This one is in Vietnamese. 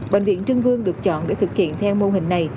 bệnh viện trưng vương được chọn để thực hiện theo mô hình này